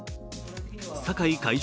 酒井海上